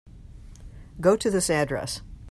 Go to this address.